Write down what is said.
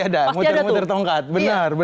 ada muter muter tongkat benar